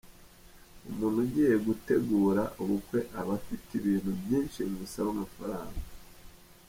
Umuntu ugiye gutegura ubukwe aba afite ibintu byinshi bimusaba amafaranga.